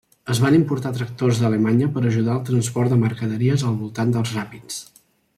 Es van importar tractors d'Alemanya per ajudar el transport de mercaderies al voltant dels ràpids.